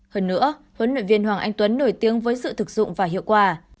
hơn nữa huấn luyện viên hoàng anh tuấn nổi tiếng với sự thực dụng và hiệu quả